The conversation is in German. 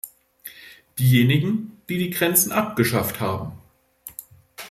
Diejenigen, die die Grenzen abgeschafft haben!